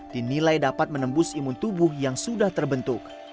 dinilai dapat menembus imun tubuh yang sudah terbentuk